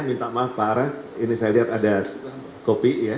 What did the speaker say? minta maaf pak arah ini saya lihat ada kopi ya